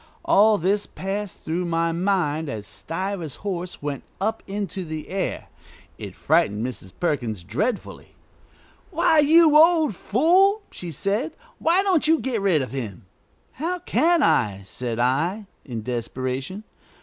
All this passed through my mind as Stiver's horse went up into the air. It frightened Mrs. Perkins dreadfully. "Why, you old fool!" she said; "why don't you get rid of him?" "How can I?" said I, in desperation.